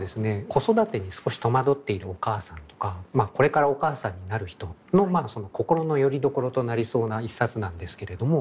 子育てに少し戸惑っているお母さんとかこれからお母さんになる人の心のよりどころとなりそうな一冊なんですけれども。